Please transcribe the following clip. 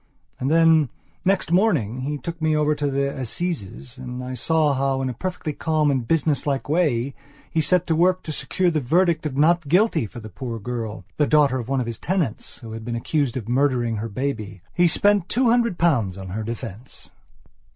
And then, next morning, he took me over to the Assizes and I saw how, in a perfectly calm and business like way, he set to work to secure a verdict of not guilty for a poor girl, the daughter of one of his tenants, who had been accused of murdering her baby. He spent two hundred pounds on her defence...